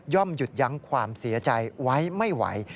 หยุดยั้งความเสียใจไว้ไม่ไหว